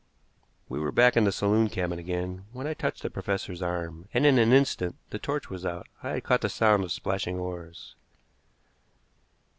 We were back in the saloon cabin again when I touched the professor's arm, and in an instant the torch was out. I had caught the sound of splashing oars.